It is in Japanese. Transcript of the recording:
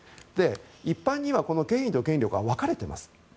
一般には権威と権力は分かれています。